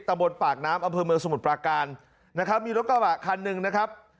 บนปากน้ำอำเภอเมืองสมุทรปราการนะครับมีรถกระบะคันหนึ่งนะครับ